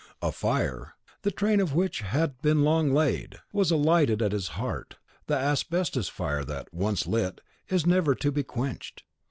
A fire, the train of which had been long laid, was lighted at his heart, the asbestos fire that, once lit, is never to be quenched.